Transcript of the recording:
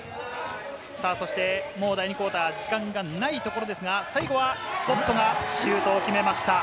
第２クオーター、時間がないところですが、最後はスコットがシュートを決めました。